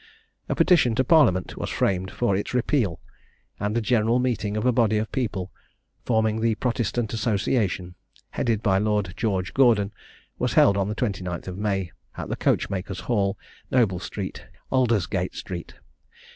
A petition to Parliament was framed for its repeal, and a general meeting of a body of people, forming the Protestant Association, headed by Lord George Gordon, was held on the 29th May, at the Coachmakers' Hall, Noble street, Aldersgate street.